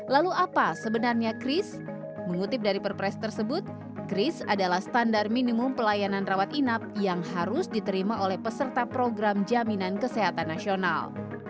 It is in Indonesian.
lalu apa sebenarnya kris mengutip dari perpres tersebut kris adalah standar minimum pelayanan rawat inap yang harus diterima oleh peserta program jaminan kesehatan nasional